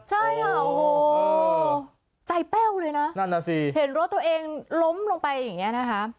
ใช่ค่ะโอ้โหใจแป้วเลยนะนั่นน่ะสิเห็นรถตัวเองล้มลงไปอย่างเงี้ยนะคะ